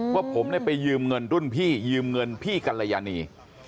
ว่าผมไปยืมเงินรุ่นพี่ยืมเงินพี่กัลยานี